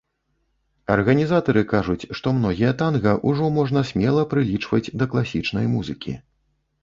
Арганізатары кажуць, што многія танга ўжо можна смела прылічваць да класічнай музыкі.